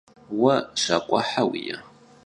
Vue şak'uehe vui'e?